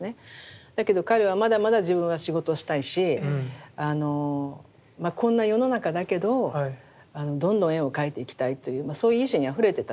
だけど彼はまだまだ自分は仕事したいしこんな世の中だけどどんどん絵を描いていきたいというそういう意志にあふれてた時代。